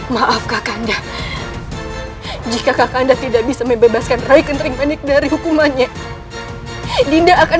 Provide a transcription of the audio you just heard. maaf kakanda jika kakanda tidak bisa membebaskan raya kentering manik dari hukumannya dinda akan